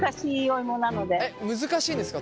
難しいんですか？